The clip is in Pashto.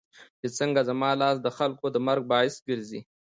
چې څنګه زما لاس دخلکو د مرګ باعث ګرځي